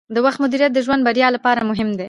د وخت مدیریت د ژوند بریا لپاره مهم دی.